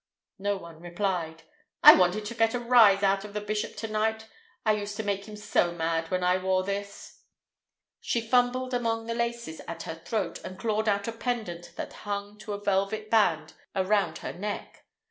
No one replied. "I wanted to get a rise out of the bishop to night. It used to make him so mad when I wore this." She fumbled among the laces at her throat, and clawed out a pendant that hung to a velvet band around her neck.